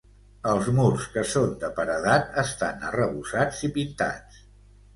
Els murs que són de paredat estan arrebossats i pintats.